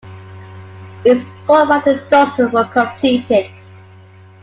It's thought about a dozen were completed.